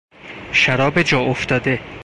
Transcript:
شراب جا افتاده